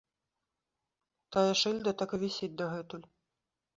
Тая шыльда так і вісіць дагэтуль.